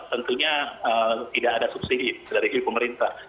tentunya tidak ada subsidi dari pemerintah